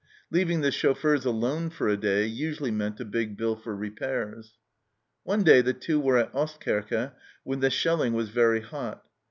Leaving the chauffeurs alone for a day usually meant a big bill for repairs. One day the Two were at Oestkerke when the shelling was very hot.